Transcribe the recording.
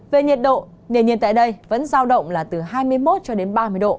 về nhiệt độ nền nhiệt tại đây vẫn giao động là từ hai mươi một cho đến ba mươi độ